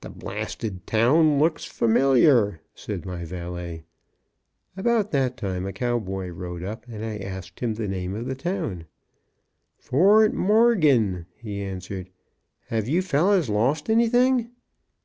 "The blasted town looks familiar," said my valet. About that time a cowboy rode up, and I asked him the name of the town. "Fort Morgan," he answered. "Have you fellows lost anything?"